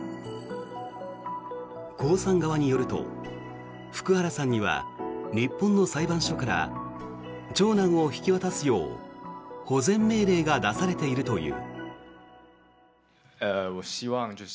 コウさん側によると福原さんには、日本の裁判所から長男を引き渡すよう保全命令が出されているという。